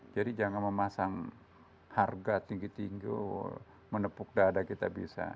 jangan memasang harga tinggi tinggi menepuk dada kita bisa